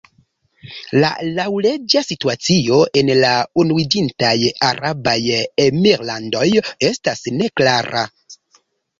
La laŭleĝa situacio en la Unuiĝintaj Arabaj Emirlandoj estas neklara.